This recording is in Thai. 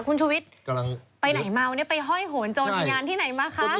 คุณชุวิตกำลังไปไหนเมาเนี่ยไปห้อยโหนโจรมีงานที่ไหนมาคะ